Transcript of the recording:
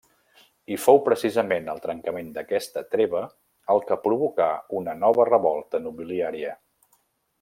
I fou precisament el trencament d'aquesta treva el que provocà una nova revolta nobiliària.